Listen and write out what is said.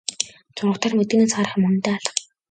Зурагтаар мэдээнээс харах юм үнэндээ алга.